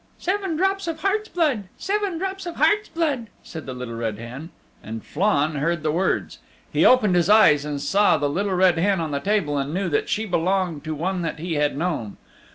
"Seven drops of heart's blood, seven drops of heart's blood," said the Little Red Hen, and Flann heard the words. He opened his eyes and saw the Little Red Hen on the table and knew that she belonged to one that he had known.